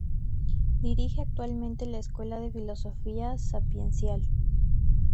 Dirige actualmente la Escuela de Filosofía Sapiencial.